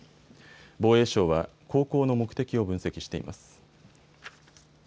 防衛省は航行の目的を分析しています。